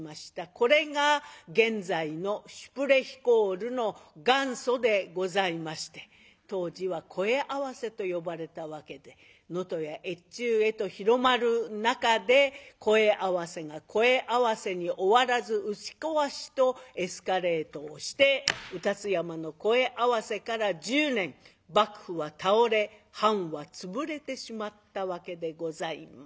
これが現在のシュプレヒコールの元祖でございまして当時は声合わせと呼ばれたわけで能登や越中へと広まる中で声合わせが声合わせに終わらず打ち壊しとエスカレートをして卯辰山の声合わせから１０年幕府は倒れ藩は潰れてしまったわけでございます。